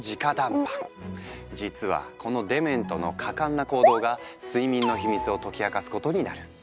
実はこのデメントの果敢な行動が睡眠のヒミツを解き明かすことになる。